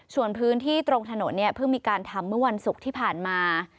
ส่วนพื้นที่ตรงถนนเนี่ยเพิ่งมีการทำเมื่อวันศุกร์ที่ผ่านมา